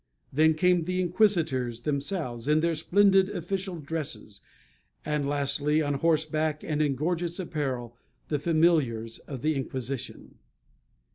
Then came the Inquisitors themselves, in their splendid official dresses. And lastly, on horseback and in gorgeous apparel, the familiars of the Inquisition.